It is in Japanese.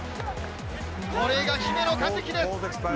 これが姫野和樹です。